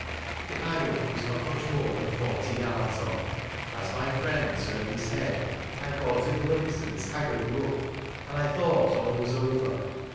The island was not much more than forty yards off. As my friend turned his head, I caught a glimpse of bis 11 haggard look, and I thought all was over.